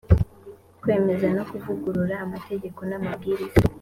kwemeza no kuvugurura amategeko n amabwiriza